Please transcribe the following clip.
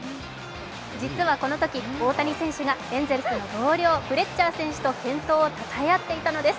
実はこのとき大谷選手がエンゼルスの同僚フレッチャー選手とたたえ合っていたのです。